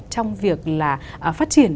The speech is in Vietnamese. trong việc là phát triển